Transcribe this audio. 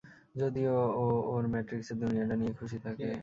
যদি ও ওর ম্যাট্রিক্সের দুনিয়াটা নিয়েই খুশি থাকে?